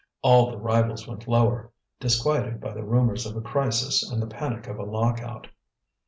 All the rivals went lower, disquieted by the rumours of a crisis and the panic of a lock out.